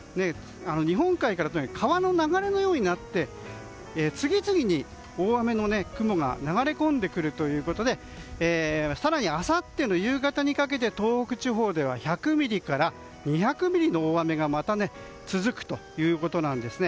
日本海から川の流れのようになって次々に大雨の雲が流れ込んでくるということで更にあさっての夕方にかけて東北地方では１００ミリから２００ミリの大雨がまた続くということなんです。